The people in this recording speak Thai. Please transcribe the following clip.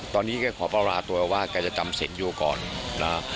ตอนนี้ก็ขอประวัติตัวว่ากันจะจำเสร็จอยู่ก่อนนะฮะ